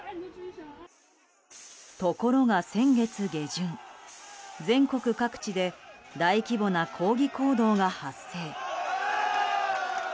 ところが先月下旬、全国各地で大規模な抗議行動が発生。